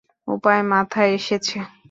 উপায় মাথায় এসেছে।